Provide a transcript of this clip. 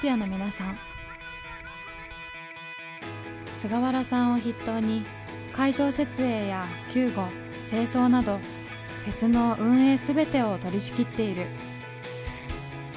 菅原さんを筆頭に会場設営や救護清掃などフェスの運営全てを取りしきっている。